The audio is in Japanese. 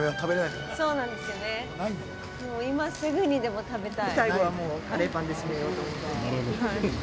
もう今すぐにでも食べたい。